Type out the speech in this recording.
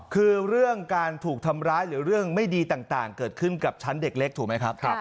คือเรื่องการถูกทำร้ายหรือเรื่องไม่ดีต่างเกิดขึ้นกับชั้นเด็กเล็กถูกไหมครับ